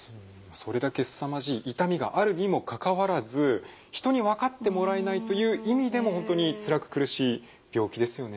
それだけすさまじい痛みがあるにもかかわらず人に分かってもらえないという意味でも本当につらく苦しい病気ですよね。